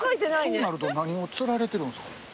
そうなると何を釣られてるんですか？